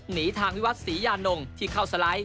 หนีทางวิวัตรศรียานงที่เข้าสไลด์